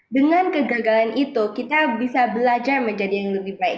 dengan kegagalan itu kita bisa belajar menjadi yang lebih baik